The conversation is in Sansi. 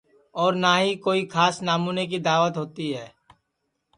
اور نہ ہی کوئی کھاس نامونے کی داوت ہوتی ہے